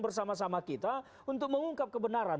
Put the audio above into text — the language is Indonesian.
bersama sama kita untuk mengungkap kebenaran